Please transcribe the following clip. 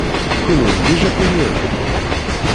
Kenwi d Ijapuniyen?